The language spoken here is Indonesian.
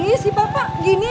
gini si bapak gini